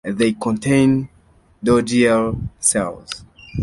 They contain Dogiel cells.